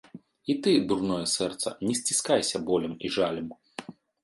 І ты, дурное сэрца, не сціскайся болем і жалем.